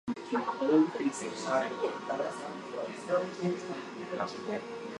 Partner Organizations have input regarding training issues and functional aspects of the Center.